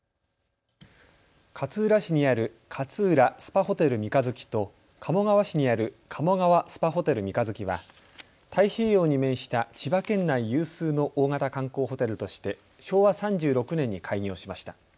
勝浦市にある勝浦スパホテル三日月と鴨川市にある鴨川スパホテル三日月は太平洋に面した千葉県内有数の大型観光ホテルとして昭和３６年に開業しました。